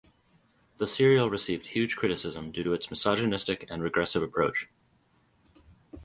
The serial received huge criticism due to its misogynistic and regressive approach.